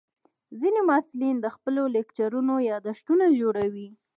ځینې محصلین د خپلو لیکچرونو یادښتونه جوړوي.